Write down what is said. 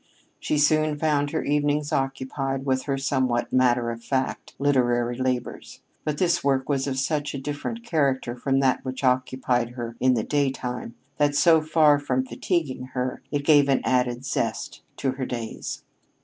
She soon found her evenings occupied with her somewhat matter of fact literary labors. But this work was of such a different character from that which occupied her in the daytime that so far from fatiguing her it gave an added zest to her days.